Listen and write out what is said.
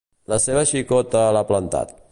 La seva xicota l'ha plantat.